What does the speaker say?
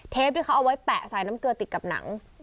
ที่เขาเอาไว้แปะใส่น้ำเกลือติดกับหนัง